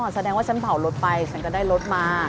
แสดงว่าฉันเผารถไปฉันก็ได้รถมา